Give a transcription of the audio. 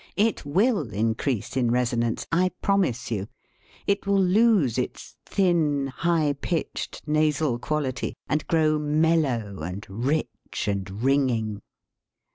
It will increase in resonance, I promise you. It will lose its thin, high pitched nasal quality, and grow mellow and rich and ringing.